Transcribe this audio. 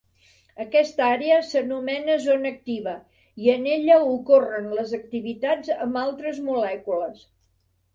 Aquesta àrea s'anomena zona activa i en ella ocorren les activitats amb altres molècules.